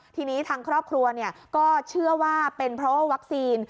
ทีนี้ทางครอบครัวก็เชื่อว่าเป็นเพราะว่าวัคซีน